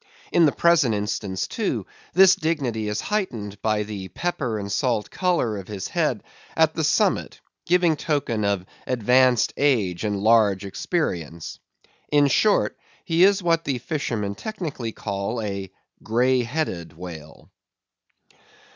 In the present instance, too, this dignity is heightened by the pepper and salt colour of his head at the summit, giving token of advanced age and large experience. In short, he is what the fishermen technically call a "grey headed whale."